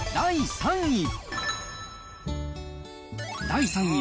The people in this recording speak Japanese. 第３位。